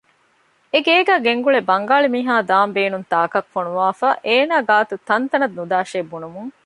އެގޭގެގައި ގެންގުޅޭ ބަންގާޅި މީހާ ދާން ބޭނުން ތާކަށް ފޮނުވާފައި އޭނަ ގާތުގައި ތަންތަނަށް ނުދާށޭ ބުނުމުން